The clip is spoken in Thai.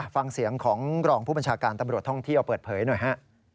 ฟังเสียงของรองผู้บัญชาการตำรวจท่องเที่ยวเปิดเผยหน่อยฮะ